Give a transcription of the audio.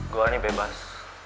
gua ini bebas